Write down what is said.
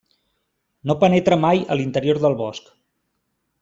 No penetra mai a l'interior del bosc.